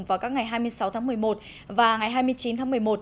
vào các ngày hai mươi sáu tháng một mươi một và ngày hai mươi chín tháng một mươi một